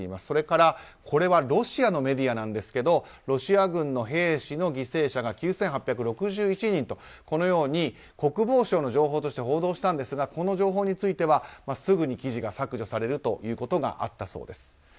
それから、これはロシアのメディアなんですがロシア軍の兵士の犠牲者が９８６１人と国防省の情報として報道したんですがこの情報についてはすぐに記事が削除されるということがあったそうです。